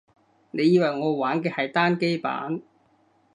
你以為我玩嘅係單機版